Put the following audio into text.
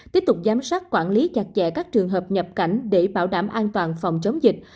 tiếp tục giám sát quản lý chặt chẽ các trường hợp nhập cảnh để bảo đảm an toàn phòng chống dịch